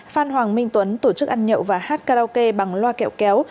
phan hoàng minh tuấn tổ chức ăn nhậu và hát karaoke bằng loa kẹo kéo